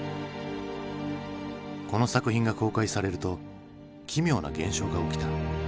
この作品が公開されると奇妙な現象が起きた。